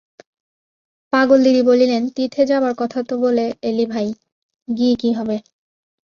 পাগলদিদি বলিলেন, তীর্থে যাবার কথা তো বলে এলি ভাই, গিয়ে কী হবে?